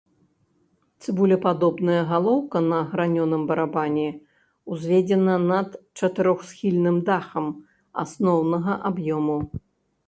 Цыбулепадобная галоўка на гранёным барабане ўзведзена над чатырохсхільным дахам асноўнага аб'ёму.